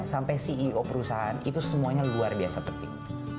sampai ceo perusahaan itu semuanya luar biasa penting